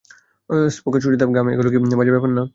ফোস্কা, সূর্যের তাপ, ঘাম এগুলো কি বাজে ব্যাপার না?